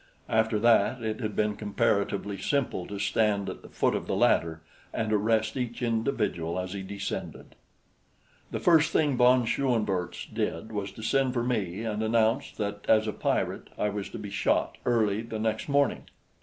After that it had been comparatively simple to stand at the foot of the ladder and arrest each individual as he descended. The first thing von Schoenvorts did was to send for me and announce that as a pirate I was to be shot early the next morning.